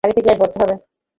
গাড়িতে গ্যাস ভরতে হবে।